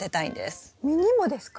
実にもですか？